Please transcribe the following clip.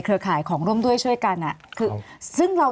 มีความรู้สึกว่ามีความรู้สึกว่า